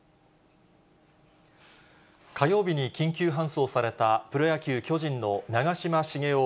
火曜日に緊急搬送されたプロ野球・巨人の長嶋茂雄